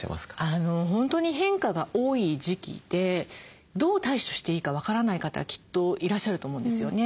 本当に変化が多い時期でどう対処していいか分からない方きっといらっしゃると思うんですよね。